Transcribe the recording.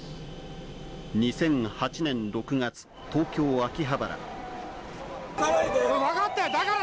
２００８年６月、東京・秋葉原。